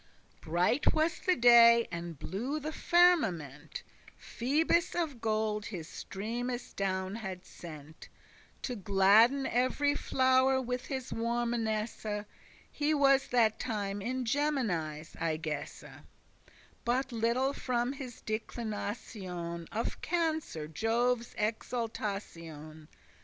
Bright was the day, and blue the firmament; Phoebus of gold his streames down had sent To gladden every flow'r with his warmness; He was that time in Geminis, I guess, But little from his declination Of Cancer, Jove's exaltation.